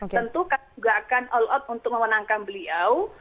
tentu kami juga akan all out untuk memenangkan beliau